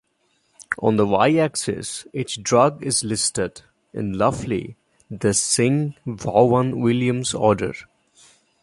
On the Y axis, each drug is listed, in roughly the Singh-Vaughan Williams order.